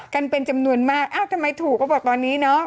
กันเป็นจำนวนมากอ้าวทำไมถูกก็บอกตอนนี้เนาะ